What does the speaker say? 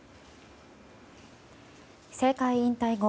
政界引退後